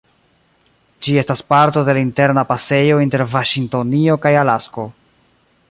Ĝi estas parto de la Interna Pasejo inter Vaŝingtonio kaj Alasko.